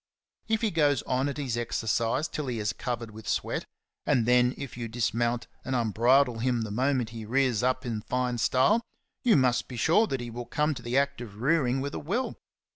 If he goes on at his exercise till he is covered with sweat, and then if you dismount and unbridle him the moment he rears up in fine style, you must be sure that he will come to the act of rearing with a will.